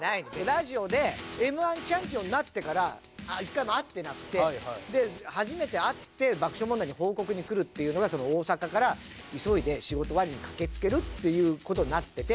ラジオでＭ−１チャンピオンになってから１回も会ってなくてで初めて会って爆笑問題に報告に来るっていうのが大阪から急いで仕事終わりに駆けつけるっていう事になってて。